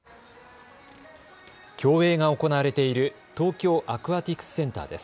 競泳が行われている東京アクアティクスセンターです。